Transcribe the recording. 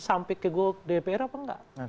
sampai ke dpr atau tidak